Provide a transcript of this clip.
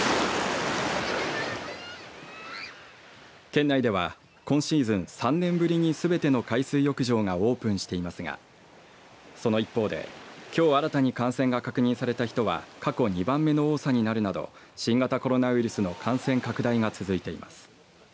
県内では、今シーズン３年ぶりにすべての海水浴場がオープンしていますがその一方で、きょう新たに感染が確認された人は過去２番目の多さになるなど新型コロナウイルスの感染拡大が続いています。